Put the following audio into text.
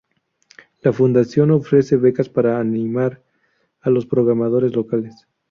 La fundación ofrece becas para animar a los programadores locales.